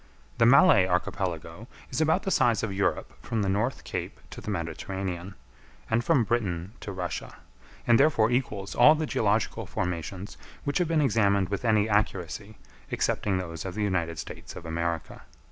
The Malay Archipelago is about the size of Europe from the North Cape to the Mediterranean, and from Britain to Russia; and therefore equals all the geological formations which have been examined with any accuracy, excepting those of the United States of America.